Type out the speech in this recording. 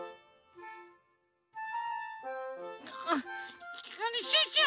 あシュッシュ